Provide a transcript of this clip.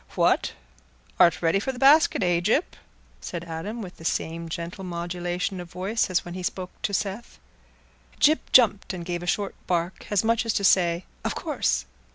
"What! Art ready for the basket, eh, Gyp?" said Adam, with the same gentle modulation of voice as when he spoke to Seth. Gyp jumped and gave a short bark, as much as to say, "Of course."